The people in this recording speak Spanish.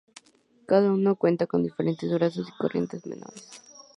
Cada uno cuenta con diferentes brazos y corrientes menores.